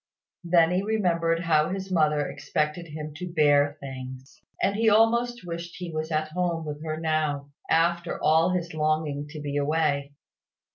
Then he remembered how his mother expected him to bear things; and he almost wished he was at home with her now, after all his longing to be away.